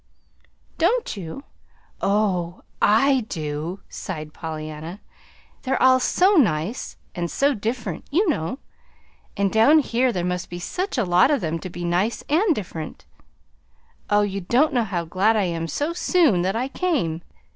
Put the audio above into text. "Don't you? Oh, I do," sighed Pollyanna. "They're all so nice and so different, you know. And down here there must be such a lot of them to be nice and different. Oh, you don't know how glad I am so soon that I came!